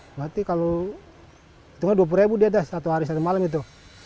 berarti kalau hitungan dua puluh ribu dia dah satu hari satu malam itu